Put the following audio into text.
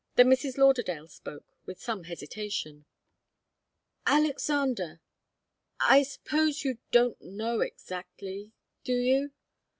Then Mrs. Lauderdale spoke, with some hesitation. "Alexander I suppose you don't know exactly do you?"